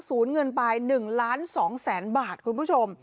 สูญเงินปลาย๑ล้าน๒แสนบาทคุณผู้ชม